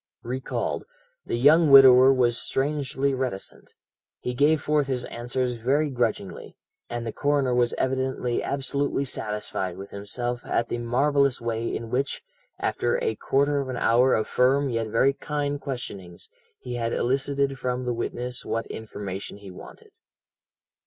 "Recalled, the young widower was strangely reticent. He gave forth his answers very grudgingly, and the coroner was evidently absolutely satisfied with himself at the marvellous way in which, after a quarter of an hour of firm yet very kind questionings, he had elicited from the witness what information he wanted.